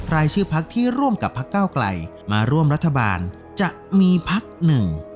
รายชื่อพักที่ร่วมกับพักเก้าไกลมาร่วมรัฐบาลจะมีพักหนึ่ง